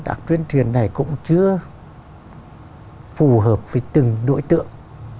tác chuyên truyền này cũng chưa phù hợp với từng đối tượng